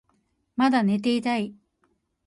まだ寝ていたい